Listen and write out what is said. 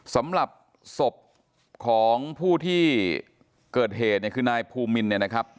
สำหรับศพของผู้ที่เกิดเหตุเนี่ยคือนายภูมินเนี่ยนะครับ